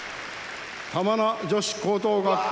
玉名女子高等学校。